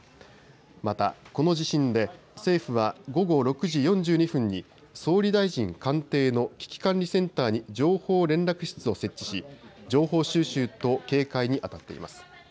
また、この地震で政府は午後６時４２分に総理大臣官邸の危機管理センターに情報連絡室を設置し情報収集と警戒にあたっています。